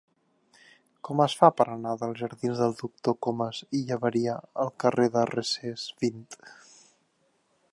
Com es fa per anar dels jardins del Doctor Comas i Llaberia al carrer de Recesvint?